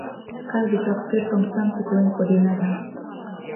Кас гычак пӧрт омсам тӱкылен кодена да...